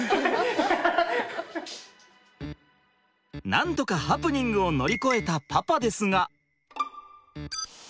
なんとかハプニングを乗り越えたパパですが。